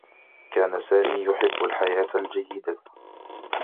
كان سامي يحبّ الحياة الجيّدة.